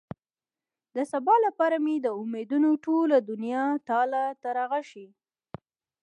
د سبا لپاره مې د امېدونو ټوله دنيا تالا ترغه شي.